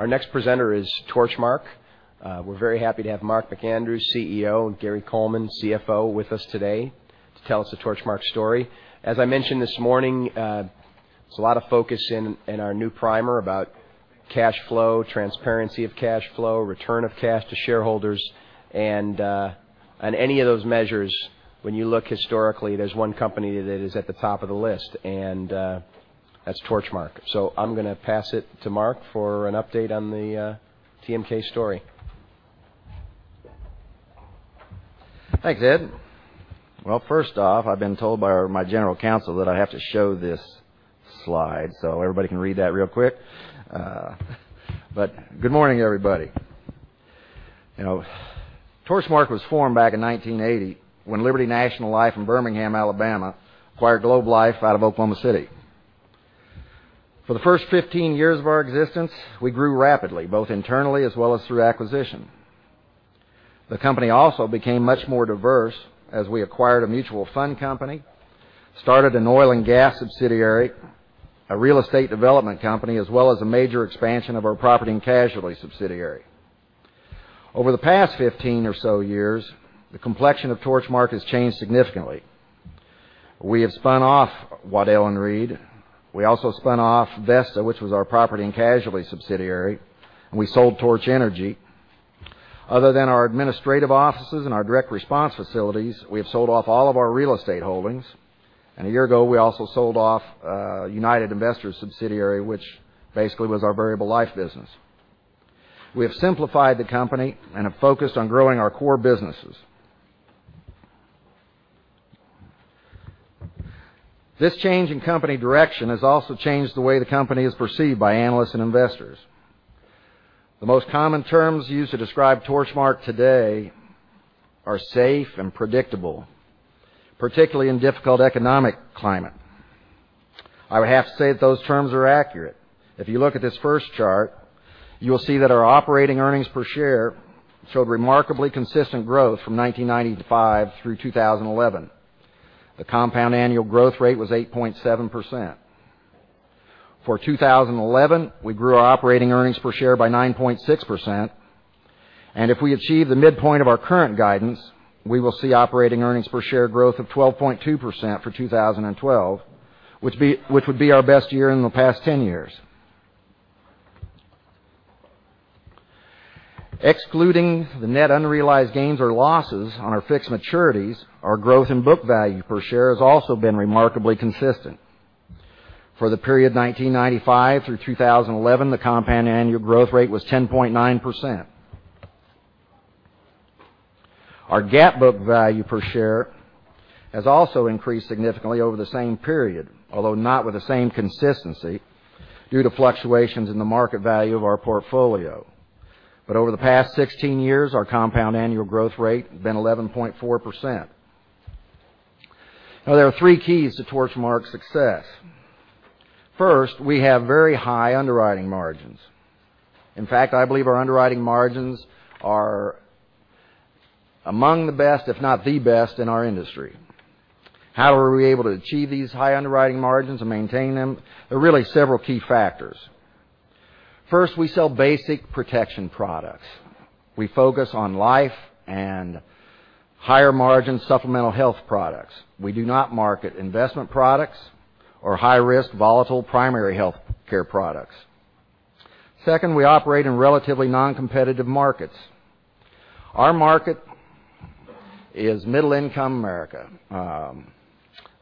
Our next presenter is Torchmark. We are very happy to have Mark McAndrew, CEO, and Gary Coleman, CFO, with us today to tell us the Torchmark story. As I mentioned this morning, there is a lot of focus in our new primer about cash flow, transparency of cash flow, return of cash to shareholders. On any of those measures, when you look historically, there is one company that is at the top of the list, and that is Torchmark. I am going to pass it to Mark for an update on the TMK story. Thanks, Ed. First off, I have been told by my general counsel that I have to show this slide so everybody can read that real quick. Good morning, everybody. Torchmark was formed back in 1980 when Liberty National Life in Birmingham, Alabama, acquired Globe Life out of Oklahoma City. For the first 15 years of our existence, we grew rapidly, both internally as well as through acquisition. The company also became much more diverse as we acquired a mutual fund company, started an oil and gas subsidiary, a real estate development company, as well as a major expansion of our property and casualty subsidiary. Over the past 15 or so years, the complexion of Torchmark has changed significantly. We have spun off Waddell & Reed. We also spun off Vesta, which was our property and casualty subsidiary, and we sold Torch Energy. Other than our administrative offices and our direct response facilities, we have sold off all of our real estate holdings, and a year ago, we also sold off United Investors subsidiary, which basically was our variable life business. We have simplified the company and have focused on growing our core businesses. This change in company direction has also changed the way the company is perceived by analysts and investors. The most common terms used to describe Torchmark today are safe and predictable, particularly in difficult economic climate. I would have to say that those terms are accurate. If you look at this first chart, you will see that our operating earnings per share showed remarkably consistent growth from 1995 through 2011. The compound annual growth rate was 8.7%. For 2011, we grew our operating earnings per share by 9.6%. If we achieve the midpoint of our current guidance, we will see operating earnings per share growth of 12.2% for 2012, which would be our best year in the past 10 years. Excluding the net unrealized gains or losses on our fixed maturities, our growth in book value per share has also been remarkably consistent. For the period 1995 through 2011, the compound annual growth rate was 10.9%. Our GAAP book value per share has also increased significantly over the same period, although not with the same consistency due to fluctuations in the market value of our portfolio. Over the past 16 years, our compound annual growth rate has been 11.4%. There are three keys to Torchmark's success. First, we have very high underwriting margins. In fact, I believe our underwriting margins are among the best, if not the best in our industry. How are we able to achieve these high underwriting margins and maintain them? There are really several key factors. First, we sell basic protection products. We focus on life and higher margin supplemental health products. We do not market investment products or high risk volatile primary health care products. Second, we operate in relatively non-competitive markets. Our market is middle income America,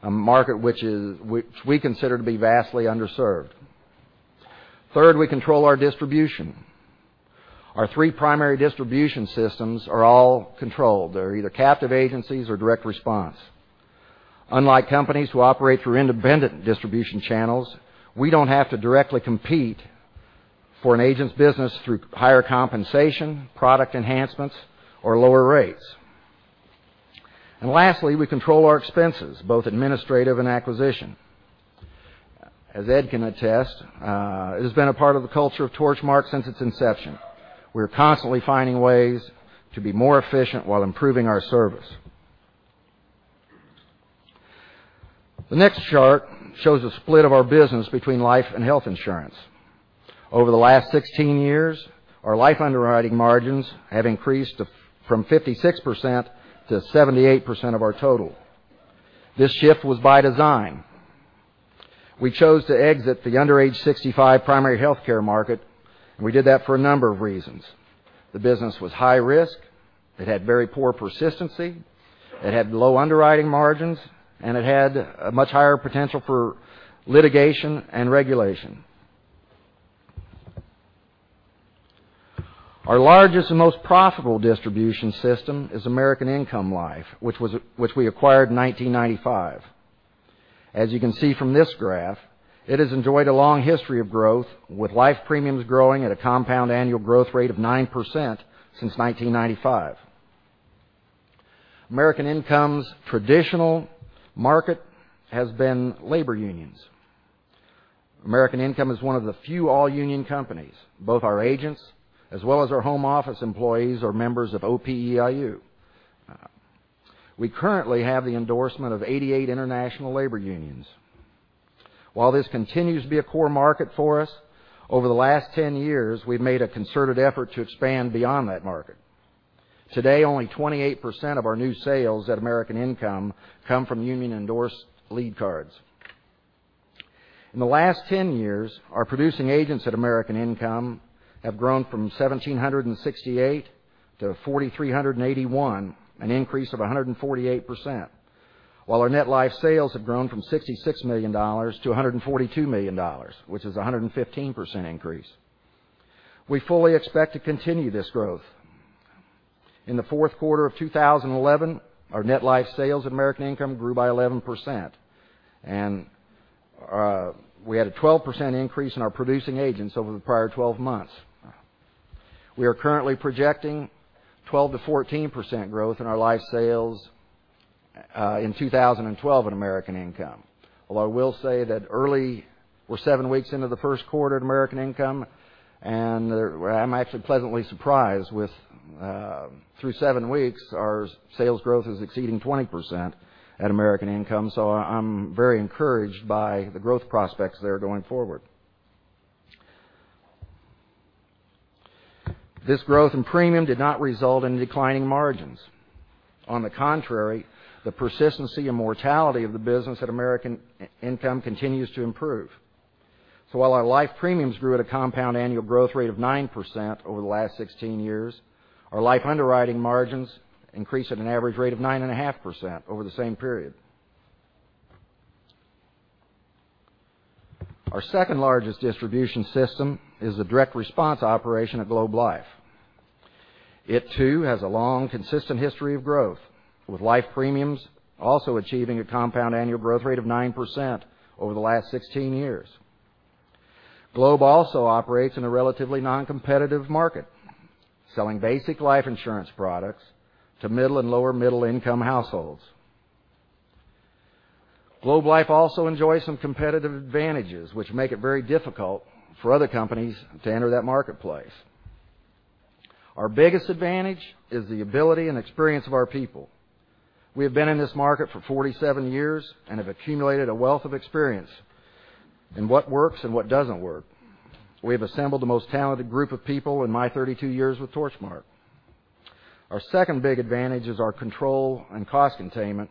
a market which we consider to be vastly underserved. Third, we control our distribution. Our three primary distribution systems are all controlled. They're either captive agencies or direct response. Unlike companies who operate through independent distribution channels, we don't have to directly compete for an agent's business through higher compensation, product enhancements, or lower rates. Lastly, we control our expenses, both administrative and acquisition. As Ed can attest, it has been a part of the culture of Torchmark since its inception. We're constantly finding ways to be more efficient while improving our service. The next chart shows a split of our business between life and health insurance. Over the last 16 years, our life underwriting margins have increased from 56%-78% of our total. This shift was by design. We chose to exit the under age 65 primary healthcare market, and we did that for a number of reasons. The business was high risk, it had very poor persistency, it had low underwriting margins, and it had a much higher potential for litigation and regulation. Our largest and most profitable distribution system is American Income Life, which we acquired in 1995. As you can see from this graph, it has enjoyed a long history of growth, with life premiums growing at a compound annual growth rate of 9% since 1995. American Income's traditional market has been labor unions. American Income is one of the few all union companies. Both our agents as well as our home office employees are members of OPEIU. We currently have the endorsement of 88 international labor unions. Over the last 10 years, we've made a concerted effort to expand beyond that market. Today, only 28% of our new sales at American Income come from union-endorsed lead cards. In the last 10 years, our producing agents at American Income have grown from 1,768 to 4,381, an increase of 148%, while our net life sales have grown from $66 million-$142 million, which is 115% increase. We fully expect to continue this growth. In the fourth quarter of 2011, our net life sales at American Income grew by 11%. We had a 12% increase in our producing agents over the prior 12 months. We are currently projecting 12%-14% growth in our life sales in 2012 at American Income. Although I will say that we're seven weeks into the first quarter at American Income, and I'm actually pleasantly surprised with through seven weeks, our sales growth is exceeding 20% at American Income. I'm very encouraged by the growth prospects there going forward. This growth in premium did not result in declining margins. On the contrary, the persistency and mortality of the business at American Income continues to improve. While our life premiums grew at a compound annual growth rate of 9% over the last 16 years, our life underwriting margins increased at an average rate of 9.5% over the same period. Our second largest distribution system is the direct response operation at Globe Life. It too has a long, consistent history of growth, with life premiums also achieving a compound annual growth rate of 9% over the last 16 years. Globe also operates in a relatively non-competitive market, selling basic life insurance products to middle and lower middle income households. Globe Life also enjoys some competitive advantages which make it very difficult for other companies to enter that marketplace. Our biggest advantage is the ability and experience of our people. We have been in this market for 47 years and have accumulated a wealth of experience in what works and what doesn't work. We have assembled the most talented group of people in my 32 years with Torchmark. Our second big advantage is our control and cost containment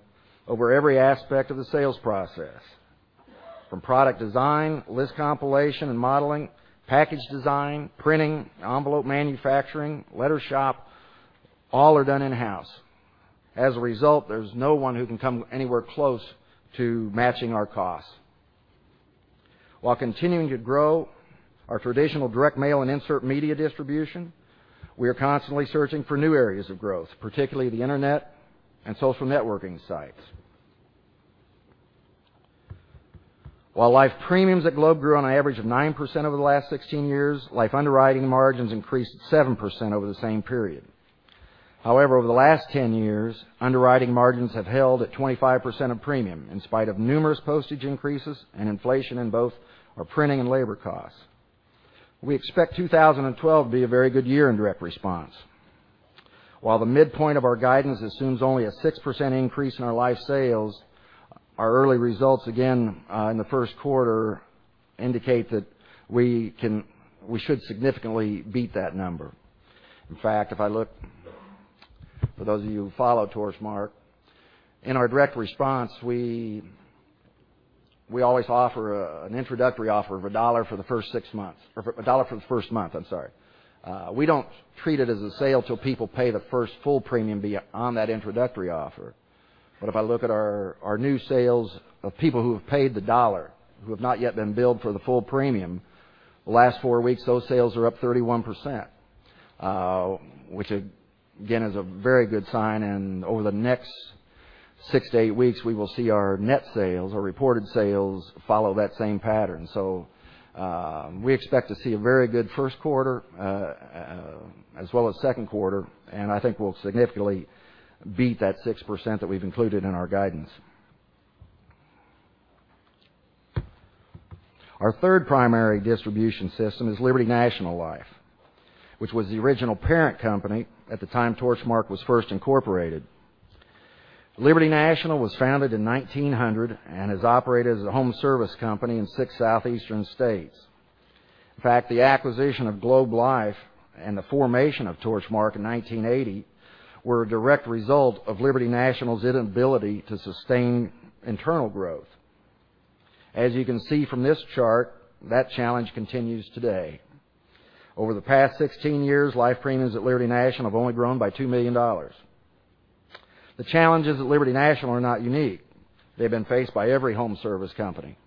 over every aspect of the sales process, from product design, list compilation and modeling, package design, printing, envelope manufacturing, letter shop, all are done in-house. As a result, there's no one who can come anywhere close to matching our costs. While continuing to grow our traditional direct mail and insert media distribution, we are constantly searching for new areas of growth, particularly the internet and social networking sites. While life premiums at Globe grew on average of 9% over the last 16 years, life underwriting margins increased 7% over the same period. However, over the last 10 years, underwriting margins have held at 25% of premium in spite of numerous postage increases and inflation in both our printing and labor costs. We expect 2012 to be a very good year in direct response. While the midpoint of our guidance assumes only a 6% increase in our life sales, our early results, again, in the first quarter indicate that we should significantly beat that number. In fact, for those of you who follow Torchmark, in our direct response, we always offer an introductory offer of $1 for the first month. We don't treat it as a sale till people pay the first full premium on that introductory offer. If I look at our new sales of people who have paid the $1, who have not yet been billed for the full premium, the last four weeks, those sales are up 31%, which again, is a very good sign. Over the next six to eight weeks, we will see our net sales or reported sales follow that same pattern. We expect to see a very good first quarter as well as second quarter, and I think we'll significantly beat that 6% that we've included in our guidance. Our third primary distribution system is Liberty National Life, which was the original parent company at the time Torchmark was first incorporated. Liberty National was founded in 1900 and has operated as a home service company in six southeastern states. In fact, the acquisition of Globe Life and the formation of Torchmark in 1980 were a direct result of Liberty National's inability to sustain internal growth. As you can see from this chart, that challenge continues today. Over the past 16 years, life premiums at Liberty National have only grown by $2 million. The challenges at Liberty National are not unique. They've been faced by every home service company.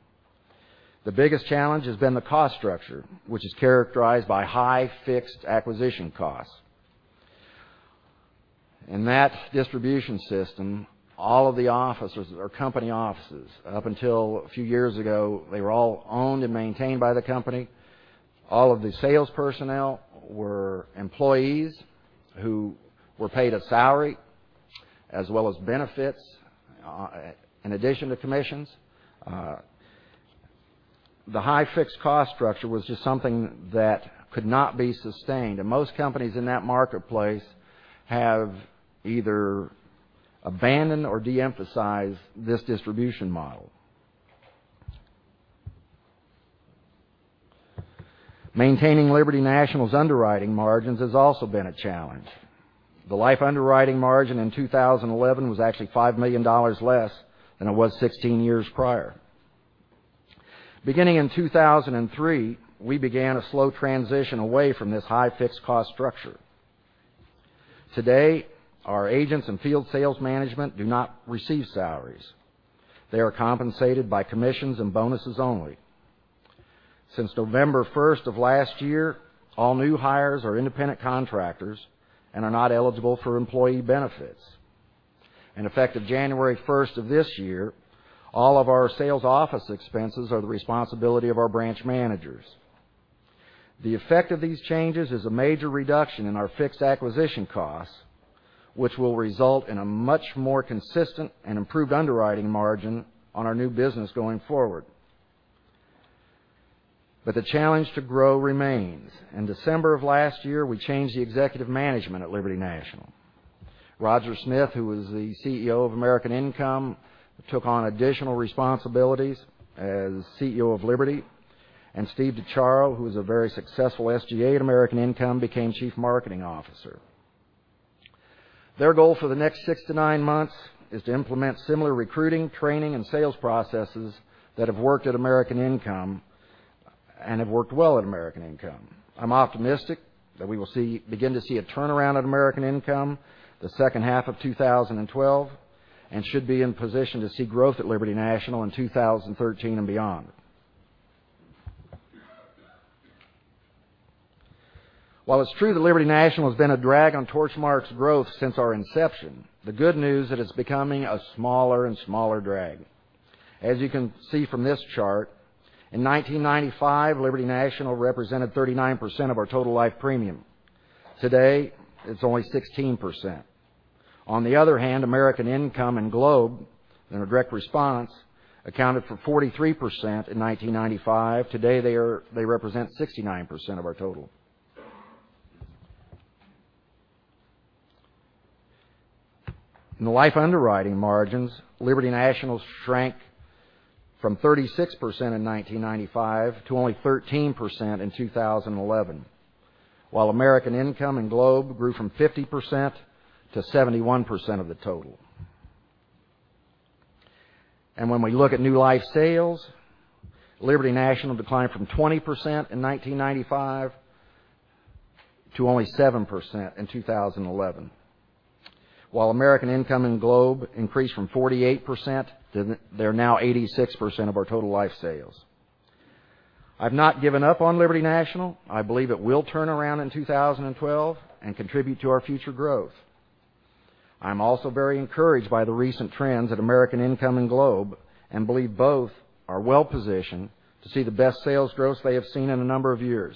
The biggest challenge has been the cost structure, which is characterized by high fixed acquisition costs. In that distribution system, all of the offices or company offices, up until a few years ago, they were all owned and maintained by the company. All of the sales personnel were employees who were paid a salary as well as benefits in addition to commissions. The high fixed cost structure was just something that could not be sustained, and most companies in that marketplace have either abandoned or de-emphasized this distribution model. Maintaining Liberty National's underwriting margins has also been a challenge. The life underwriting margin in 2011 was actually $5 million less than it was 16 years prior. Beginning in 2003, we began a slow transition away from this high fixed cost structure. Today, our agents and field sales management do not receive salaries. They are compensated by commissions and bonuses only. Since November 1st of last year, all new hires are independent contractors and are not eligible for employee benefits. In effect of January 1st of this year, all of our sales office expenses are the responsibility of our branch managers. The effect of these changes is a major reduction in our fixed acquisition costs, which will result in a much more consistent and improved underwriting margin on our new business going forward. The challenge to grow remains. In December of last year, we changed the executive management at Liberty National. Roger Smith, who was the CEO of American Income, took on additional responsibilities as CEO of Liberty, and Steve DiChiaro, who was a very successful SGA at American Income, became chief marketing officer. Their goal for the next six to nine months is to implement similar recruiting, training, and sales processes that have worked at American Income and have worked well at American Income. I'm optimistic that we will begin to see a turnaround at American Income the second half of 2012 and should be in position to see growth at Liberty National in 2013 and beyond. While it's true that Liberty National has been a drag on Torchmark's growth since our inception, the good news is that it's becoming a smaller and smaller drag. As you can see from this chart, in 1995, Liberty National represented 39% of our total life premium. Today, it's only 16%. On the other hand, American Income and Globe, in our direct response, accounted for 43% in 1995. Today, they represent 69% of our total. In the life underwriting margins, Liberty National shrank from 36% in 1995 to only 13% in 2011, while American Income and Globe grew from 50% to 71% of the total. When we look at new life sales, Liberty National declined from 20% in 1995 to only 7% in 2011. While American Income and Globe increased from 48%, they're now 86% of our total life sales. I've not given up on Liberty National. I believe it will turn around in 2012 and contribute to our future growth. I'm also very encouraged by the recent trends at American Income and Globe and believe both are well-positioned to see the best sales growth they have seen in a number of years.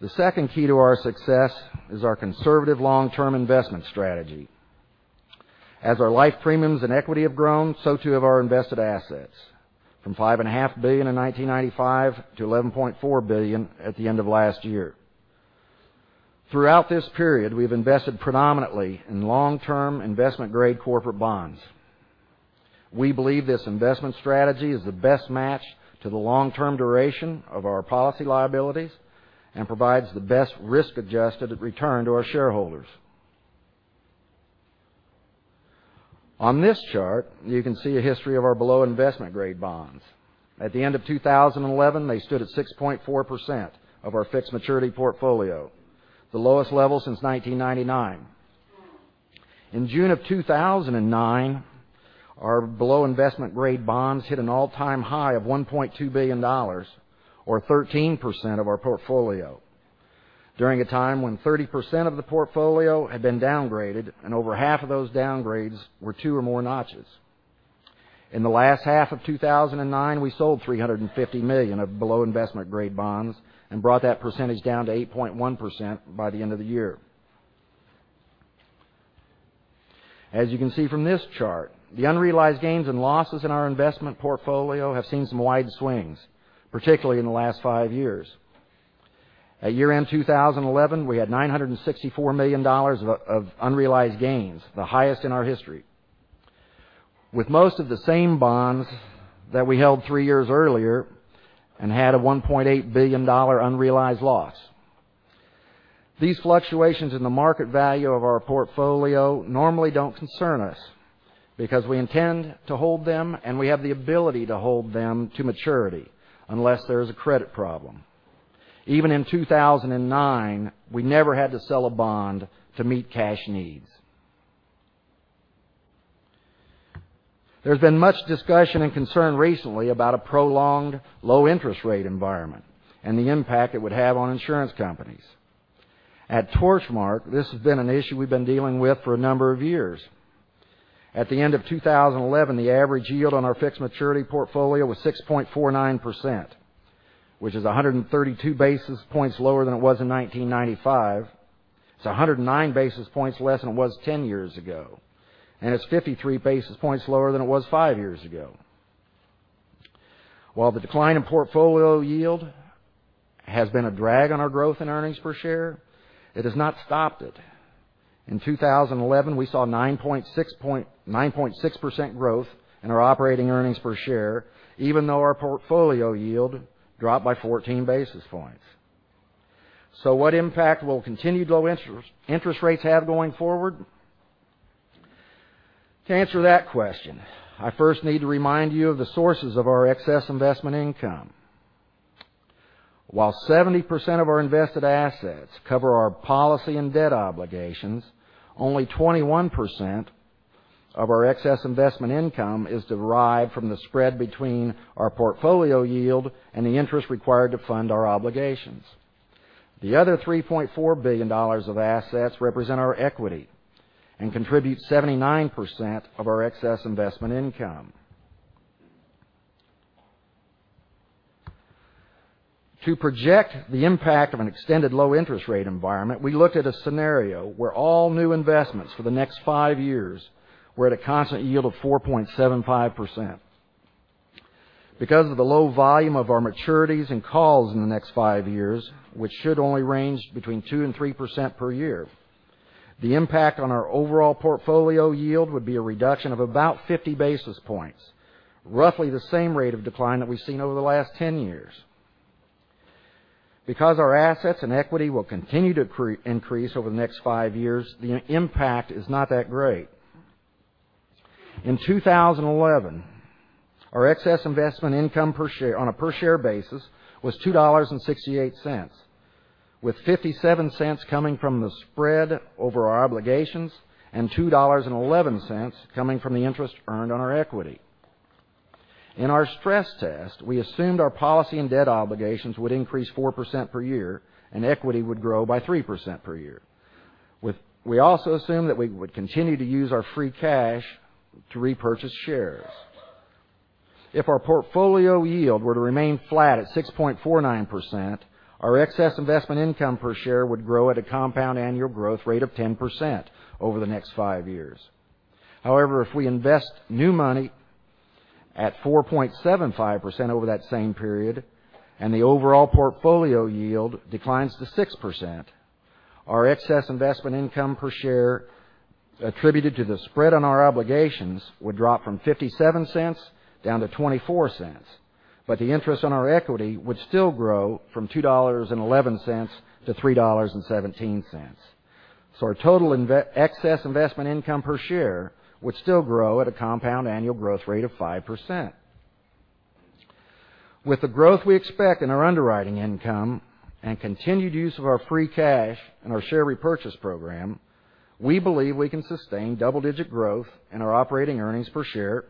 The second key to our success is our conservative long-term investment strategy. As our life premiums and equity have grown, so too have our invested assets, from $5.5 billion in 1995 to $11.4 billion at the end of last year. Throughout this period, we've invested predominantly in long-term investment grade corporate bonds. We believe this investment strategy is the best match to the long-term duration of our policy liabilities and provides the best risk-adjusted return to our shareholders. On this chart, you can see a history of our below investment-grade bonds. At the end of 2011, they stood at 6.4% of our fixed maturity portfolio, the lowest level since 1999. In June of 2009, our below investment-grade bonds hit an all-time high of $1.2 billion, or 13% of our portfolio, during a time when 30% of the portfolio had been downgraded and over half of those downgrades were two or more notches. In the last half of 2009, we sold $350 million of below investment-grade bonds and brought that percentage down to 8.1% by the end of the year. As you can see from this chart, the unrealized gains and losses in our investment portfolio have seen some wide swings, particularly in the last five years. At year-end 2011, we had $964 million of unrealized gains, the highest in our history. With most of the same bonds that we held three years earlier and had a $1.8 billion unrealized loss. These fluctuations in the market value of our portfolio normally don't concern us because we intend to hold them and we have the ability to hold them to maturity unless there is a credit problem. Even in 2009, we never had to sell a bond to meet cash needs. There's been much discussion and concern recently about a prolonged low interest rate environment and the impact it would have on insurance companies. At Torchmark, this has been an issue we've been dealing with for a number of years. At the end of 2011, the average yield on our fixed maturity portfolio was 6.49%. Which is 132 basis points lower than it was in 1995. It's 109 basis points less than it was 10 years ago. It's 53 basis points lower than it was five years ago. While the decline in portfolio yield has been a drag on our growth in earnings per share, it has not stopped it. In 2011, we saw 9.6% growth in our operating earnings per share, even though our portfolio yield dropped by 14 basis points. What impact will continued low interest rates have going forward? To answer that question, I first need to remind you of the sources of our excess investment income. While 70% of our invested assets cover our policy and debt obligations, only 21% of our excess investment income is derived from the spread between our portfolio yield and the interest required to fund our obligations. The other $3.4 billion of assets represent our equity and contribute 79% of our excess investment income. To project the impact of an extended low interest rate environment, we looked at a scenario where all new investments for the next five years were at a constant yield of 4.75%. Because of the low volume of our maturities and calls in the next five years, which should only range between 2% and 3% per year, the impact on our overall portfolio yield would be a reduction of about 50 basis points, roughly the same rate of decline that we've seen over the last 10 years. Because our assets and equity will continue to increase over the next five years, the impact is not that great. In 2011, our excess investment income on a per share basis was $2.68, with $0.57 coming from the spread over our obligations and $2.11 coming from the interest earned on our equity. In our stress test, we assumed our policy and debt obligations would increase 4% per year and equity would grow by 3% per year. We also assumed that we would continue to use our free cash to repurchase shares. If our portfolio yield were to remain flat at 6.49%, our excess investment income per share would grow at a compound annual growth rate of 10% over the next five years. However, if we invest new money at 4.75% over that same period and the overall portfolio yield declines to 6%, our excess investment income per share attributed to the spread on our obligations would drop from $0.57 down to $0.24. The interest on our equity would still grow from $2.11 to $3.17. Our total excess investment income per share would still grow at a compound annual growth rate of 5%. With the growth we expect in our underwriting income and continued use of our free cash in our share repurchase program, we believe we can sustain double-digit growth in our operating earnings per share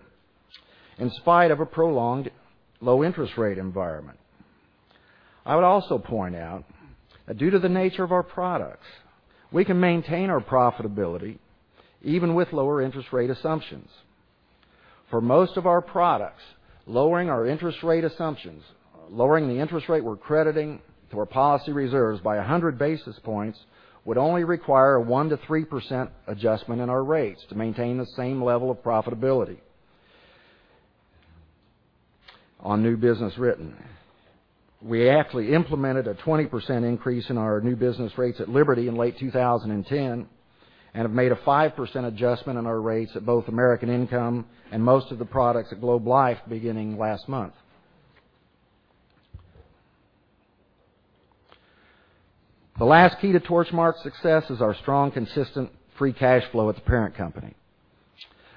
in spite of a prolonged low interest rate environment. I would also point out that due to the nature of our products, we can maintain our profitability even with lower interest rate assumptions. For most of our products, lowering our interest rate assumptions, lowering the interest rate we're crediting to our policy reserves by 100 basis points would only require a 1%-3% adjustment in our rates to maintain the same level of profitability on new business written. We actually implemented a 20% increase in our new business rates at Liberty in late 2010 and have made a 5% adjustment in our rates at both American Income and most of the products at Globe Life beginning last month. The last key to Torchmark's success is our strong, consistent free cash flow at the parent company.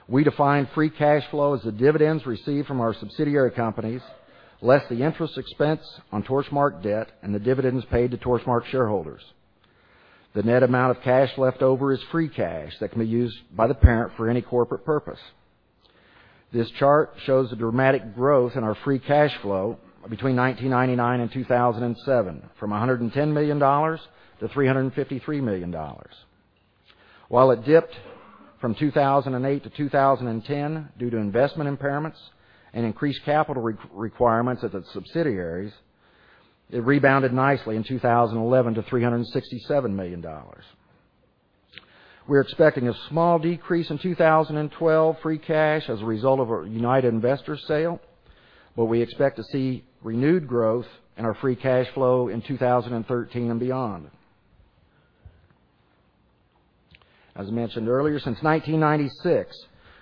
We define free cash flow as the dividends received from our subsidiary companies, less the interest expense on Torchmark debt and the dividends paid to Torchmark shareholders. The net amount of cash left over is free cash that can be used by the parent for any corporate purpose. This chart shows the dramatic growth in our free cash flow between 1999 and 2007, from $110 million to $353 million. While it dipped from 2008 to 2010 due to investment impairments and increased capital requirements at the subsidiaries, it rebounded nicely in 2011 to $367 million. We're expecting a small decrease in 2012 free cash as a result of our United Investors sale, but we expect to see renewed growth in our free cash flow in 2013 and beyond. As mentioned earlier, since 1996,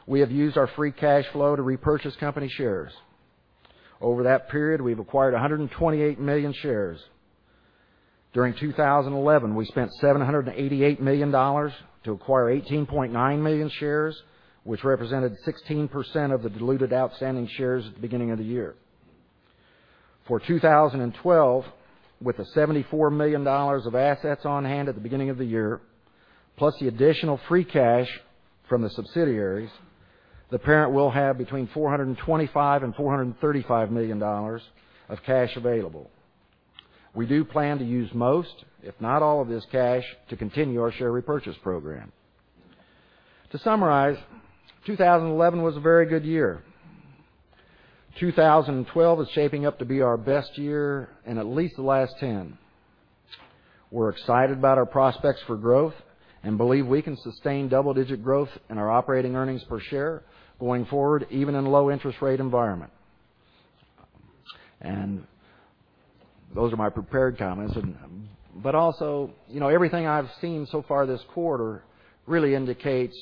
we have used our free cash flow to repurchase company shares. Over that period, we've acquired 128 million shares. During 2011, we spent $788 million to acquire 18.9 million shares, which represented 16% of the diluted outstanding shares at the beginning of the year. For 2012, with the $74 million of assets on hand at the beginning of the year, plus the additional free cash from the subsidiaries, the parent will have between $425 and $435 million of cash available. We do plan to use most, if not all, of this cash to continue our share repurchase program. To summarize, 2011 was a very good year. 2012 is shaping up to be our best year in at least the last 10. We're excited about our prospects for growth and believe we can sustain double-digit growth in our operating earnings per share going forward, even in a low interest rate environment. Those are my prepared comments. Also, everything I've seen so far this quarter really indicates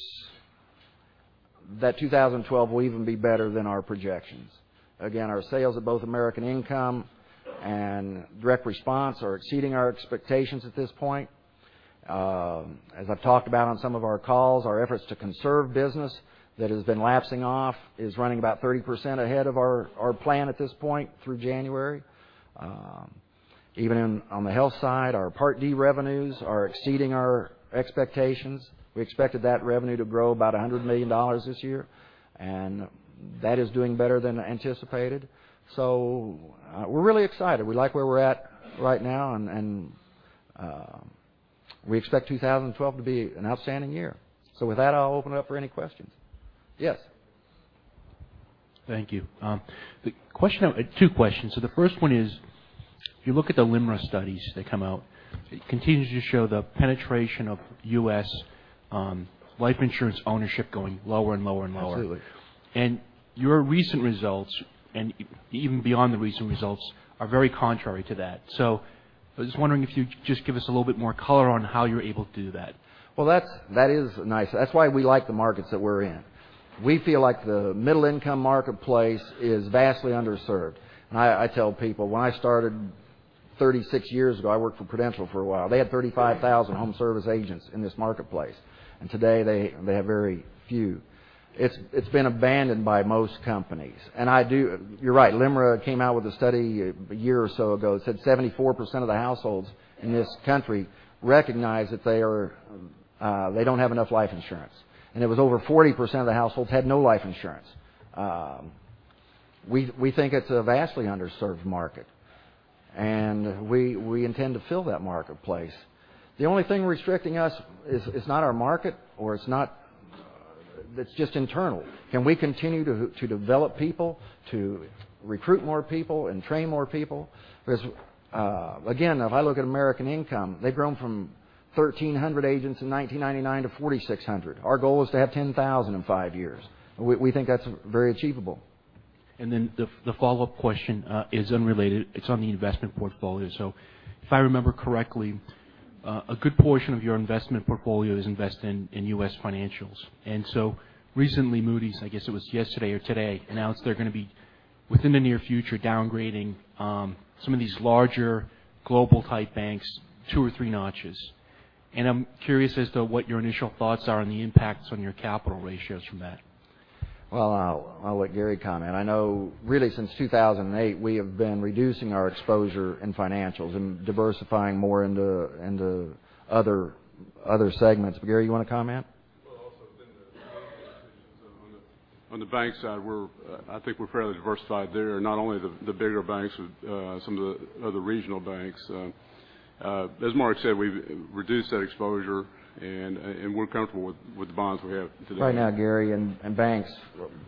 that 2012 will even be better than our projections. Again, our sales of both American Income and direct response are exceeding our expectations at this point. As I've talked about on some of our calls, our efforts to conserve business that has been lapsing off is running about 30% ahead of our plan at this point through January. Even on the health side, our Part D revenues are exceeding our expectations. We expected that revenue to grow about $100 million this year, and that is doing better than anticipated. We're really excited. We like where we're at right now, and we expect 2012 to be an outstanding year. With that, I'll open it up for any questions. Yes. Thank you. Two questions. The first one is, if you look at the LIMRA studies that come out, it continues to show the penetration of U.S. life insurance ownership going lower and lower. Absolutely. Your recent results, and even beyond the recent results, are very contrary to that. I was just wondering if you'd just give us a little bit more color on how you're able to do that. Well, that is nice. That's why we like the markets that we're in. We feel like the middle-income marketplace is vastly underserved. I tell people, when I started 36 years ago, I worked for Prudential for a while. They had 35,000 home service agents in this marketplace, and today they have very few. It's been abandoned by most companies. You're right, LIMRA came out with a study a year or so ago that said 74% of the households in this country recognize that they don't have enough life insurance, and it was over 40% of the households had no life insurance. We think it's a vastly underserved market, and we intend to fill that marketplace. The only thing restricting us is not our market, it's just internal. Can we continue to develop people, to recruit more people, and train more people? Again, if I look at American Income, they've grown from 1,300 agents in 1999 to 4,600. Our goal is to have 10,000 in five years. We think that's very achievable. The follow-up question is unrelated. It's on the investment portfolio. If I remember correctly, a good portion of your investment portfolio is invested in U.S. financials. Recently, Moody's, I guess it was yesterday or today, announced they're going to be, within the near future, downgrading some of these larger global-type banks two or three notches. I'm curious as to what your initial thoughts are on the impacts on your capital ratios from that. Well, I'll let Gary comment. I know really since 2008, we have been reducing our exposure in financials and diversifying more into other segments. Gary, you want to comment? Well, also within the decisions on the bank side, I think we're fairly diversified there, not only the bigger banks, some of the other regional banks. As Mark said, we've reduced that exposure, and we're comfortable with the bonds we have today. Right now, Gary, banks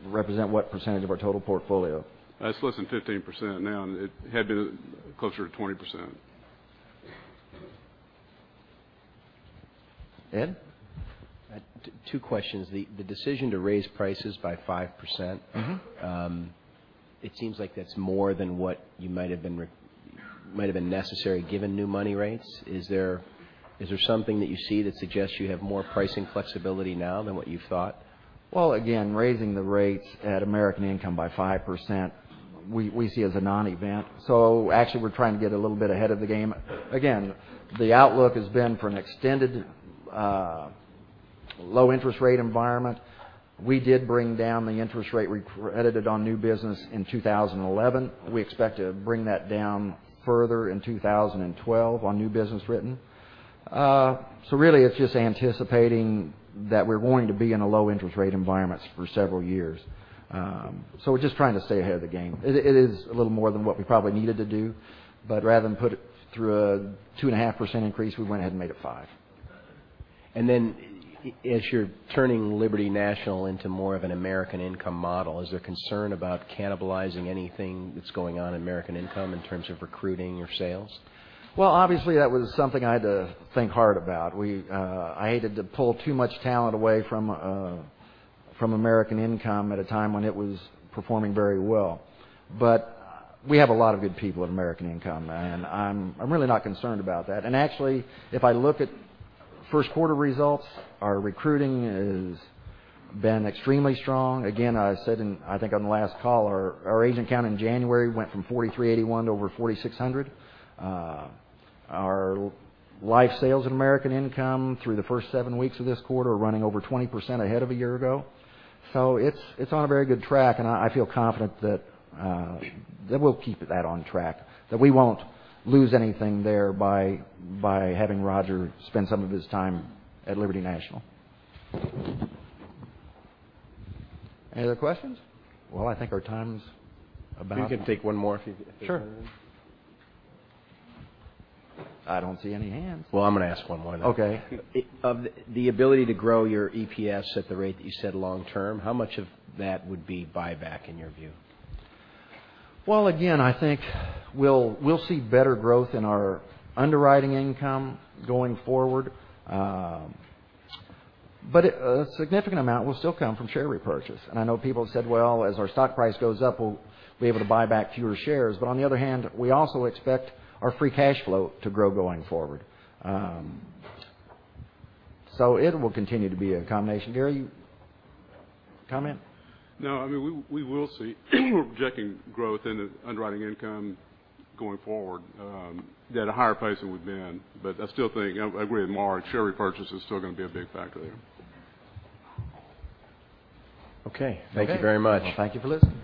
represent what % of our total portfolio? It's less than 15% now, it had been closer to 20%. Ed? Two questions. The decision to raise prices by 5%. It seems like that's more than what might've been necessary given new money rates. Is there something that you see that suggests you have more pricing flexibility now than what you thought? Well, again, raising the rates at American Income by 5%, we see as a non-event. Actually, we're trying to get a little bit ahead of the game. Again, the outlook has been for an extended low interest rate environment. We did bring down the interest rate we credited on new business in 2011. We expect to bring that down further in 2012 on new business written. Really it's just anticipating that we're going to be in a low interest rate environment for several years. We're just trying to stay ahead of the game. It is a little more than what we probably needed to do, but rather than put it through a two-and-a-half % increase, we went ahead and made it 5%. As you're turning Liberty National into more of an American Income model, is there concern about cannibalizing anything that's going on in American Income in terms of recruiting or sales? Well, obviously, that was something I had to think hard about. I hated to pull too much talent away from American Income at a time when it was performing very well. We have a lot of good people at American Income, and I'm really not concerned about that. Actually, if I look at first quarter results, our recruiting has been extremely strong. Again, I said, I think on the last call, our agent count in January went from 4,381 to over 4,600. Our life sales at American Income through the first seven weeks of this quarter are running over 20% ahead of a year ago. It's on a very good track, and I feel confident that we'll keep that on track, that we won't lose anything there by having Roger spend some of his time at Liberty National. Any other questions? Well, I think our time's about up. We can take one more if there's any. Sure. I don't see any hands. Well, I'm going to ask one more then. Okay. Of the ability to grow your EPS at the rate that you said long term, how much of that would be buyback in your view? Well, again, I think we'll see better growth in our underwriting income going forward. A significant amount will still come from share repurchase. I know people have said, well, as our stock price goes up, we'll be able to buy back fewer shares. On the other hand, we also expect our free cash flow to grow going forward. It will continue to be a combination. Gary, you comment? No, we will see. We're projecting growth in underwriting income going forward at a higher pace than we've been. I still think I agree with Mark, share repurchase is still going to be a big factor there. Okay. Thank you very much. Okay. Well, thank you for listening.